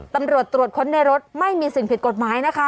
ตำรวจตรวจค้นในรถไม่มีสิ่งผิดกฎหมายนะคะ